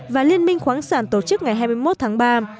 và liên minh khoáng sản tổ chức ngày hai mươi một tháng ba